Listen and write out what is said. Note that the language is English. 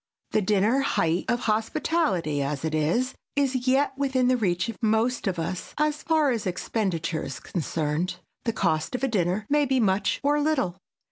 The dinner, height of hospitality as it is, is yet within the reach of most of us as far as expenditure is concerned. The cost of a dinner may be much or little.